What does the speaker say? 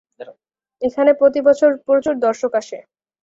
এখানে প্রতি বছর প্রচুর দর্শক আসে।